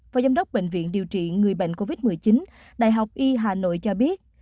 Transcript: phó giám đốc bệnh viện điều trị người bệnh covid một mươi chín đại học y hà nội cho biết